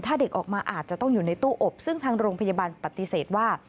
ถ้าเด็กออกมาอาจจะต้องอยู่ในตู้อบซึ่งทางโรงพยาบาลปฏิเสธว่า